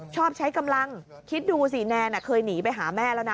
ชอบใช้กำลังคิดดูสิแนนเคยหนีไปหาแม่แล้วนะ